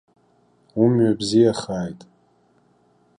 Умҩа бзиахааит.